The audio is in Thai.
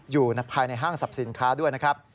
อยู่ภายในห้างสรรพสินค้าด้วยนะครับ